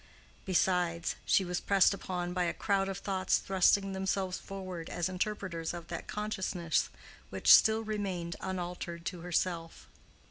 Besides, she was pressed upon by a crowd of thoughts thrusting themselves forward as interpreters of that consciousness which still remained unaltered to herself.